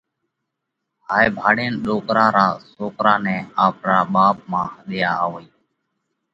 هائي ڀاۯينَ ڏوڪرا را سوڪرا نئہ آپرا ٻاپ مانه ۮئيا آوئِي.